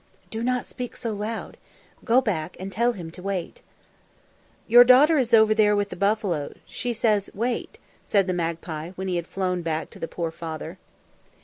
"Do not speak so loud. Go back and tell him to wait." "Your daughter is over there with the buffalo. She says 'Wait,'" said the magpie when he had flown back to the poor father.